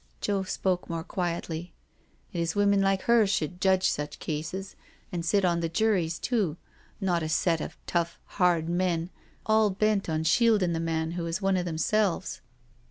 — Joe spoke more quietly. —" It is women like her should judge such cases, and sit on the juries too, not a set of tough, hard men, all bent on shieldin' the man who is one of them selves."